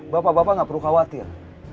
bapak bapak nggak perlu khawatir